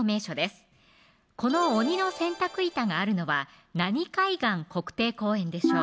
この鬼の洗濯板があるのは何海岸国定公園でしょう